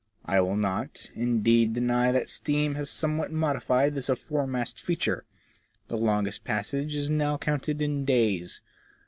I will not, indeed, deny that steam has somewhat modified this afore mast feature. The longest passage is now counted in days.